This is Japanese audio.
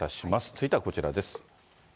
続いてはこちらです。